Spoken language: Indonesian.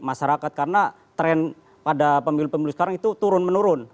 masyarakat karena tren pada pemilu pemilu sekarang itu turun menurun